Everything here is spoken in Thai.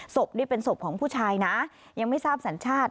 ศพนี่เป็นศพของผู้ชายนะยังไม่ทราบสัญชาติ